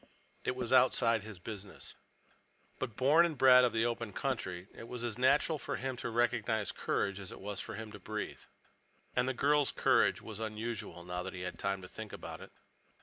It was outside his business. But, born and bred of the open country, it was as natural for him to recognize courage as it was for him to breathe. And the girl's courage was unusual, now that he had time to think about it.